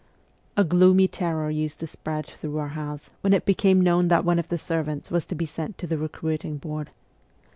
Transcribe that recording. A gloomy terror used to spread through our house when it became known that one of the servants was to be sent to the recruiting board.